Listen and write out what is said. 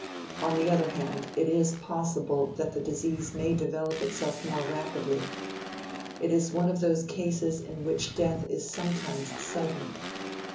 On the other hand, it is possible that the disease may develop itself more rapidly: it is one of those cases in which death is sometimes sudden.